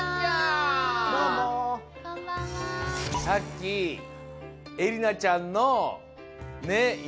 さっきえりなちゃんのねっ